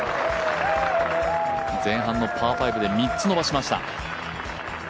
前半のパー５で３つのばしました。